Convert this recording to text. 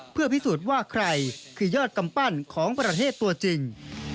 เพื่อพิสูจน์ว่าใครคือยอดกำปั้นของประเทศตัวจริง